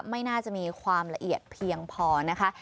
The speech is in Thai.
ไม่น่าจะมีความละเอียดเพียงพอนะคะ